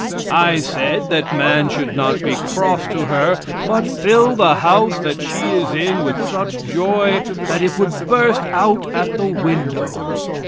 I said that man should not be cross to her, but fill the house that she is in with such joy that it would burst out at the window.